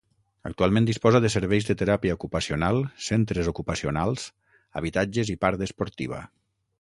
Actualment disposa de serveis de teràpia ocupacional, centres ocupacionals, habitatges i part esportiva.